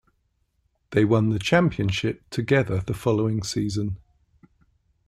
They won the championship together the following season.